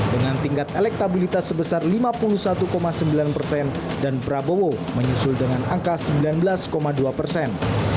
dengan tingkat elektabilitas sebesar lima puluh satu sembilan persen dan prabowo menyusul dengan angka sembilan belas dua persen